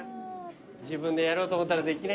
自分でやろうと思ったらできねえな。